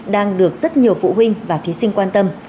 đang được rất nhiều phụ huynh và thí sinh quan tâm